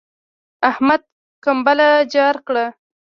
احمد کمبله جار کړه.